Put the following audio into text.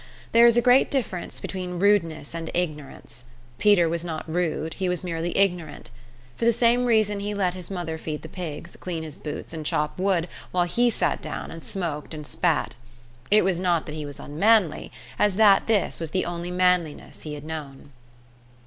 There is a great difference between rudeness and ignorance. Peter was not rude; he was merely ignorant. For the same reason he let his mother feed the pigs, clean his boots, and chop wood, while he sat down and smoked and spat. It was not that he was unmanly, as that this was the only manliness he had known.